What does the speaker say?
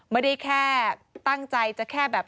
ไม่ได้แค่ตั้งใจจะแค่แบบ